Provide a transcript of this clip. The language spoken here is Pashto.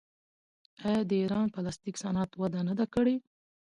آیا د ایران پلاستیک صنعت وده نه ده کړې؟